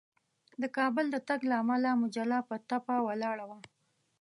د کابل د تګ له امله مجله په ټپه ولاړه وه.